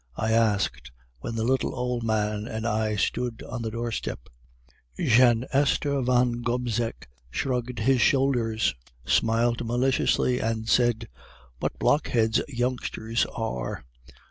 I asked, when the little old man and I stood on the doorstep. "Jean Esther Van Gobseck shrugged his shoulders, smiled maliciously, and said, 'What blockheads youngsters are!